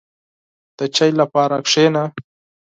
• د چای لپاره کښېنه.